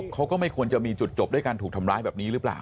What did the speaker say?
เขาก็ไม่ควรจะมีจุดจบด้วยการถูกทำร้ายแบบนี้หรือเปล่า